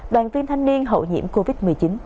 đoàn viên thanh niên hậu nhiễm covid một mươi chín